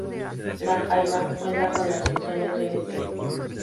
La Jaiba, cuenta con las secciones de Bethel.